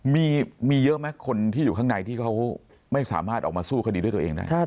มีเยอะไหมคนที่อยู่ข้างในที่เขาไม่สามารถออกมาสู้คดีด้วยตัวเองได้